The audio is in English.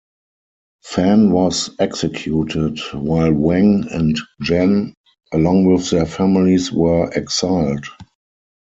Fan was executed, while Wang and Gen, along with their families, were exiled.